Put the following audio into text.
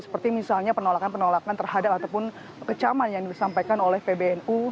seperti misalnya penolakan penolakan terhadap ataupun kecaman yang disampaikan oleh pbnu